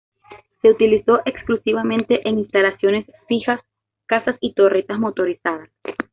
Se utilizó exclusivamente en instalaciones fijas: cazas y torretas motorizadas.